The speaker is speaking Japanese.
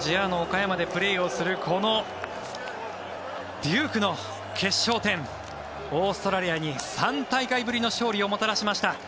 岡山でプレーをするこのデュークの決勝点オーストラリアに３大会ぶりの勝利をもたらしました。